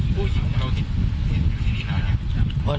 ผู้หญิงอยู่นี่นานแล้วครับ